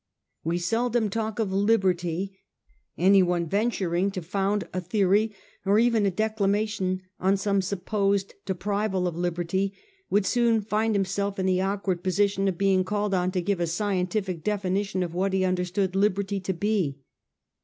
We seldom talk of ^liberty;' anyone venturing to found a theory or even a declamation on some supposed deprival of liberty would soon find himself in the awkward posi tion of being called on to give a scientific definition of what he understood liberty to be.